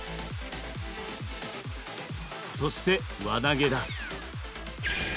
そして輪投げだ。